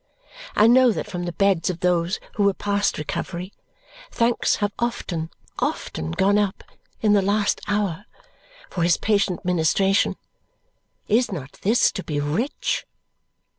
I know that from the beds of those who were past recovery, thanks have often, often gone up, in the last hour, for his patient ministration. Is not this to be rich?